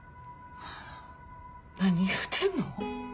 何言うてんの？